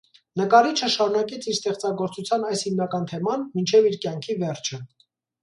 Նկարիչը շարունակեց իր ստեղծագործության այս հիմնական թեման մինչև իր կյանքի վերջը։